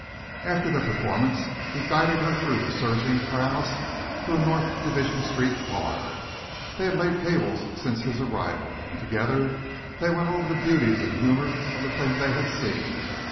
After the performance he guided her through the surging crowds to a North Division Street car they had laid cables since his arrival and together they went over the beauties and humor of the thing they had seen.